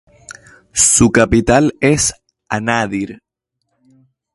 Su capital es Anádyr.